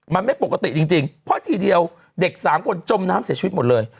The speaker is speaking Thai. มันไม่ปกติจริงเพราะทีเดียวเด็ก๓คนจมน้ำเสียชีวิตหมดเลย